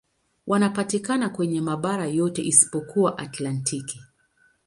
Wanapatikana kwenye mabara yote isipokuwa Antaktiki.